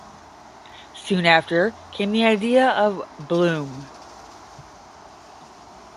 Soon after came the idea of Bloom.